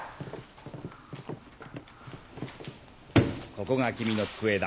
ここが君の机だ。